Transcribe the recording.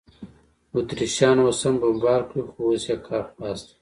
اتریشیان اوس هم بمبار کوي، خو اوس یې کار خلاص دی.